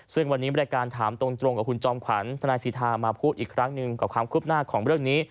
ซึ่งวันนี้บริการถามตรงกับคุณจอมขวัญทนายสิทธามาพูดอีกครั้งหนึ่งกับความคืบหน้าของเรื่องนี้